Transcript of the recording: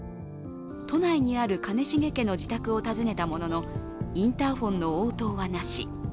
都内にある兼重家の自宅を訪ねたものの、インターフォンの応答はなし。